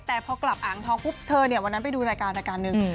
แต่พอกลับอ่างทองปุ๊บเธอเนี่ยวันนั้นไปดูรายการรายการหนึ่ง